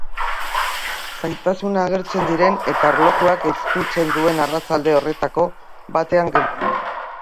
Zailtasunak agertzen diren eta erlojuak estutzen duen arratsalde horretako batean geunden.